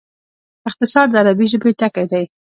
اختصار د عربي ژبي ټکی دﺉ.